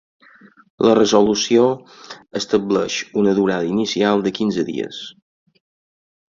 La resolució estableix una durada inicial de quinze dies.